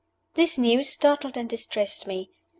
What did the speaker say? This news startled and distressed me.